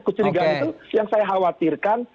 kecil juga itu yang saya khawatirkan